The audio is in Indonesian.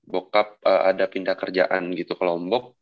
bokap ada pindah kerjaan gitu ke lombok